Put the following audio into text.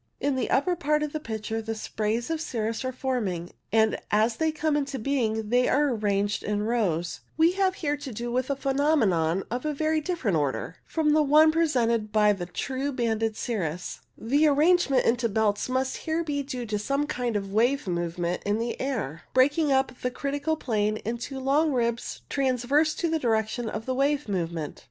In the upper part of the picture the sprays of cirrus are forming, and as they come into being they are arranged in rows. We have here to do with a phenomenon of a very different Plate 14. HAZY CIRRO STRATUS. [Cirro stratus Nebulosus.) Page 46. 1^ H <\ tn 6 CIRRO STRATUS 47 order from the one presented by the true banded cirrus. The arrangement into belts must here be due to some kind of wave movement in the air, breaking up the critical plane into long ribs trans verse to the direction of the wave movement.